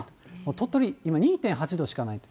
鳥取、今、２．８度しかないと。